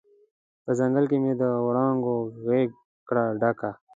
په ځنګل کې مې د وړانګو غیږ کړه ډکه